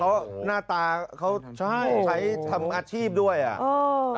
เขาหน้าตาเขาใช้ทำอาชีพด้วยอ่ะโอ้โหใช่